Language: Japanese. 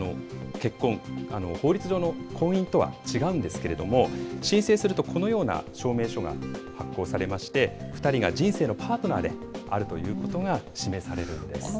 結婚、法律上の婚姻とは違うんですけれども、申請するとこのような証明書が発行されまして、２人が人生のパートナーであるということが示されるんです。